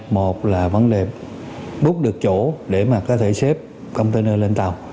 một là vấn đề bút được chỗ để mà có thể xếp container lên tàu